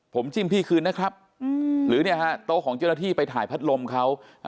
ผมจิ้มพี่คืนนะครับหรือเนี่ยฮะโต๊ะของเจ้าหน้าที่ไปถ่ายพัดลมเขา